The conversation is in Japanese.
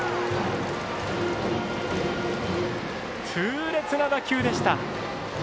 痛烈な打球でした。